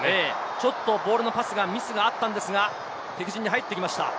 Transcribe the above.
ちょっとボールのミスがありましたが敵陣に入ってきました。